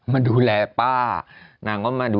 มาดูแลป้า